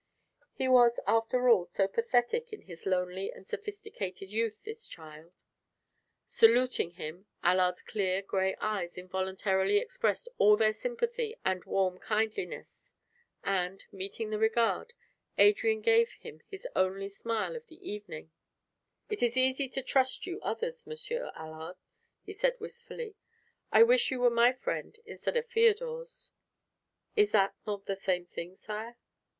He was after all so pathetic in his lonely and sophisticated youth, this child. Saluting him, Allard's clear gray eyes involuntarily expressed all their sympathy and warm kindliness. And, meeting the regard, Adrian gave him his only smile of the evening. "It is easy to trust you others, Monsieur Allard," he said wistfully. "I wish you were my friend instead of Feodor's." "Is it not the same thing, sire?"